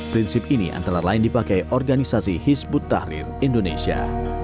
prinsip ini antara lain dipakai organisasi hizbut tahrir indonesia